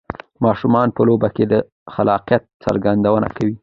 ماشومان په لوبو کې د خلاقیت څرګندونه کوي.